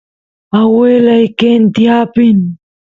aguelay qenti apin